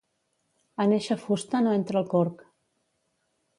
En eixa fusta no entra el corc.